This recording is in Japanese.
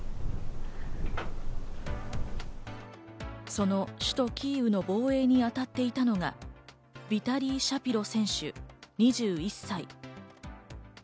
その首都キーウの防衛にあたっていたのがヴィタリー・シャピロ選手、２１歳。